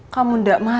kamu gak marah kan